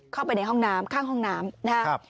เข้าไปในห้องน้ำข้างห้องน้ำนะครับ